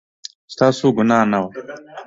ستاسو ګناه نه وه